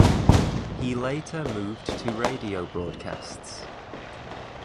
He later moved to radio broadcasts.